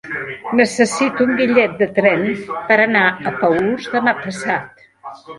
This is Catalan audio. Necessito un bitllet de tren per anar a Paüls demà passat.